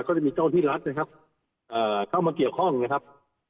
เจ้าหน้าที่รัฐนะครับเข้ามาเกี่ยวข้องนะครับ